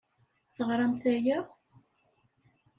Teɣṛamt aya?